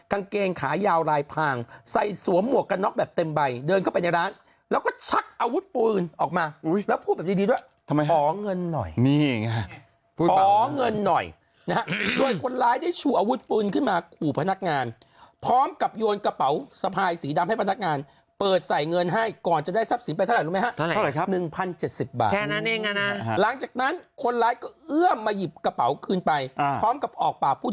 ออกมาแล้วพูดแบบดีด้วยอ๋อเงินหน่อยอ๋อเงินหน่อยโดยคนร้ายได้ชูอาวุธปืนขึ้นมาขู่พนักงานพร้อมกับโยนกระเป๋าสะพายสีดำให้พนักงานเปิดใส่เงินให้ก่อนจะได้ทรัพย์สินไปเท่าไหร่รู้ไหมครับ๑๐๗๐บาทแค่นั้นเองนะหลังจากนั้นคนร้ายก็เอื้อมมาหยิบกระเป๋าคืนไปพร้อมกับออกปากพูด